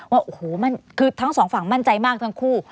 ว่าโอ้โหคือทั้งสองฝั่งมั่นใจมากทั้งคู่